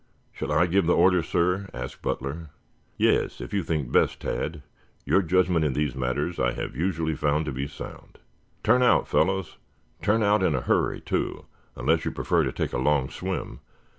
Shall I give the orders, sir?" asked Butler. "Yes, if you think best, Tad. Your judgment in these matters I have usually found to be sound." "Turn out, fellows! Turn out in a hurry, too, unless you prefer to take a long swim.